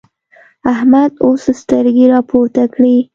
احمد اوس سترګې راپورته کړې.